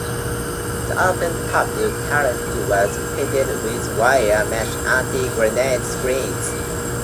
The open-topped turret was fitted with wire mesh anti-grenade screens.